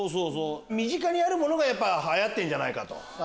身近にあるものがはやってるんじゃないかと。